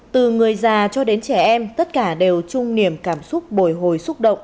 từ người già cho đến trẻ em tất cả đều chung niềm cảm xúc bồi hồi xúc động